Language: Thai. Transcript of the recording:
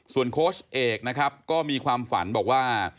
ส่วนโค้ชเอกก็มีความฝันบอกว่า